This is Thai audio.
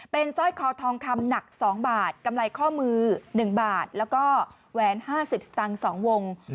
เป็นสร้อยคอทองคำหนัก๒บาทกำไรข้อมือ๑บาทแล้วก็แหวน๕๐สตางค์๒วง